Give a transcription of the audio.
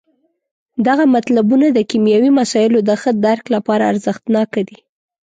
دغه مطلبونه د کیمیاوي مسایلو د ښه درک لپاره ارزښت ناکه دي.